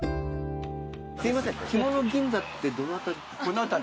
すいませんひもの銀座ってどの辺り？